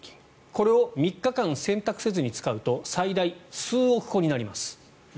これを３日間洗濯せずに使うと最大数億個になります。